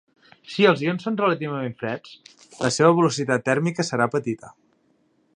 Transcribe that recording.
Si els ions són relativament freds, la seva velocitat tèrmica serà petita.